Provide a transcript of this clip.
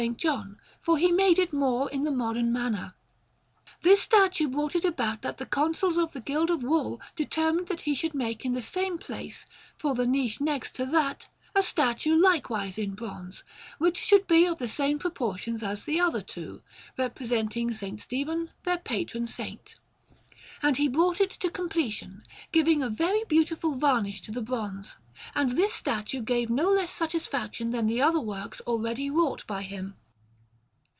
John, for he made it more in the modern manner. This statue brought it about that the Consuls of the Guild of Wool determined that he should make in the same place, for the niche next to that, a statue likewise in bronze, which should be of the same proportions as the other two, representing S. Stephen, their Patron Saint. And he brought it to completion, giving a very beautiful varnish to the bronze; and this statue gave no less satisfaction than the other works already wrought by him.